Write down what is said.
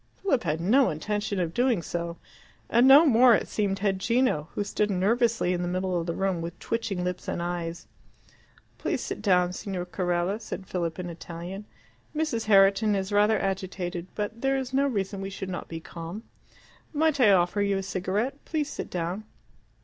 Philip had no intention of doing so; and no more, it seemed, had Gino, who stood nervously in the middle of the room with twitching lips and eyes. "Please sit down, Signor Carella," said Philip in Italian. "Mrs. Herriton is rather agitated, but there is no reason we should not be calm. Might I offer you a cigarette? Please sit down."